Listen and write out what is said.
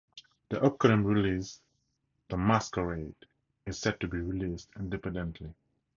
Their upcoming release The Masquerade is set to be released independently.